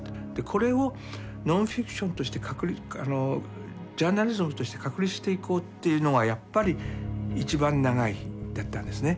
これをノンフィクションとしてジャーナリズムとして確立していこうというのがやっぱり「いちばん長い日」だったんですね。